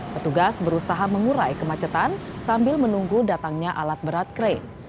petugas berusaha mengurai kemacetan sambil menunggu datangnya alat berat krain